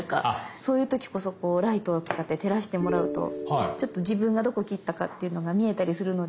そういう時こそライトを使って照らしてもらうと自分がどこ切ったかっていうのが見えたりするので。